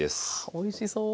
おいしそう。